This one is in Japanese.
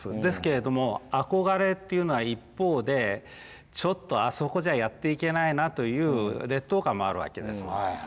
ですけれども憧れっていうのは一方でちょっとあそこじゃやっていけないなという劣等感もあるわけです。